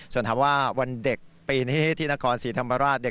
ส่วนถามว่าวันเด็กปีนี้ที่นครศรีธรรมราช